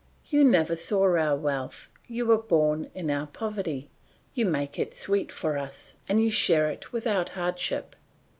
You never saw our wealth, you were born in our poverty; you make it sweet for us, and you share it without hardship.